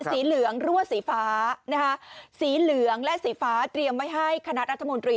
สีเหลืองรั่วสีฟ้านะคะสีเหลืองและสีฟ้าเตรียมไว้ให้คณะรัฐมนตรี